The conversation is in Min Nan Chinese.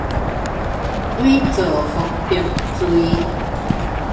偽造貨幣罪